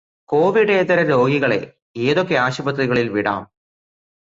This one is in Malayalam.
കോവിഡേതര രോഗികളെ ഏതൊക്കെ ആശുപത്രികളിൽ വിടാം.